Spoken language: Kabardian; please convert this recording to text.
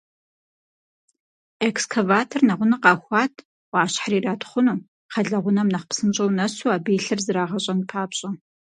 Экскаватор нэгъунэ къахуат, Ӏуащхьэр иратхъуну, кхъэлэгъунэм нэхъ псынщӀэу нэсу абы илъыр зрагъэщӀэн папщӀэ.